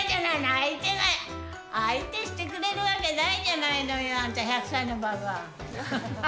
相手が相手してくれるわけないじゃないのよ、あんた１００歳のばばあ。